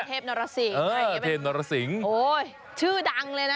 เออเทพนรสิงค์เออเทพนรสิงค์โอ้ยชื่อดังเลยนะ